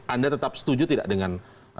anda tetap setuju tidak dengan